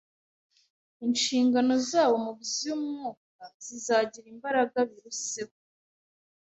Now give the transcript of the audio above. inshingano zabo mu by’umwuka zizagira imbaraga biruseho